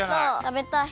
たべたい。